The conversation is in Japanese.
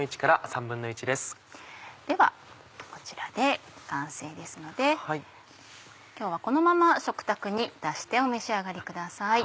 ではこちらで完成ですので今日はこのまま食卓に出してお召し上がりください。